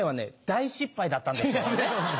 大失敗だったんですけどもね。